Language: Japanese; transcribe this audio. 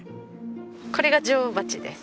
これが女王バチです。